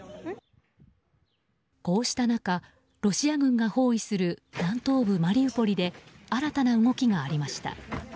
こうした中、ロシア軍が包囲する南東部マリウポリで新たな動きがありました。